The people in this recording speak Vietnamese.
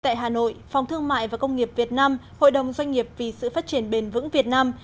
tại hà nội phòng thương mại và công nghiệp việt nam hội đồng doanh nghiệp vì sự phát triển bền vững việt nam